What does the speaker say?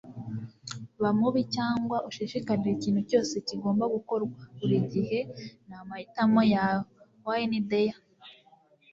ba mubi. cyangwa ushishikarire. ikintu cyose kigomba gukorwa, buri gihe ni amahitamo yawe. - wayne dyer